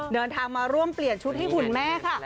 เดินทางมาร่วมเปลี่ยนชุดให้หุ่นแม่ค่ะ